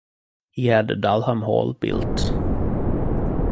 He had Dalham Hall built.